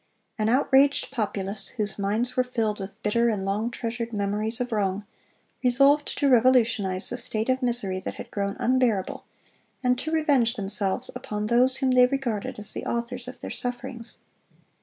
An outraged populace, whose minds were filled with bitter and long treasured memories of wrong, resolved to revolutionize the state of misery that had grown unbearable, and to revenge themselves upon those whom they regarded as the authors of their sufferings.